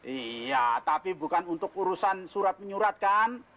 iya tapi bukan untuk urusan surat menyurat kan